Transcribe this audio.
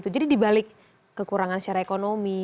jadi dibalik kekurangan secara ekonomi